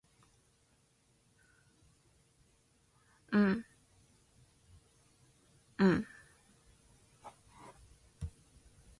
He donated one thousand Personal Protective Equipment to Bangladesh Jail.